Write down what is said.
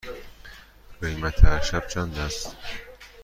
قیمت هر شب چند است؟